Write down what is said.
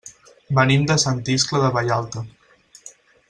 Venim de Sant Iscle de Vallalta.